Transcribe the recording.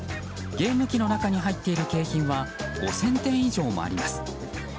ゲーム機の中に入っている景品は５０００点以上あります。